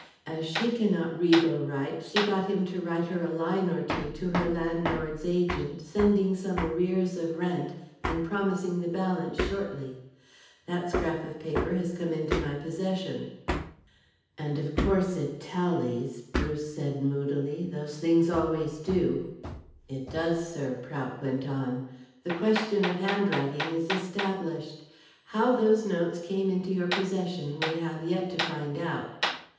As she cannot read or write she got him to write her a line or two to her landlord's agent, sending some arrears of rent and promising the balance shortly. That scrap of paper has come into my possession." "And of course it tallies," Bruce said moodily. "Those things always do." "It does, sir," Prout went on. "The question of handwriting is established. How those notes came into your possession we have yet to find out."